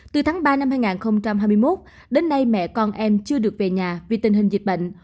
từ tháng ba năm hai nghìn hai mươi một đến nay mẹ con em chưa được về nhà vì tình hình dịch bệnh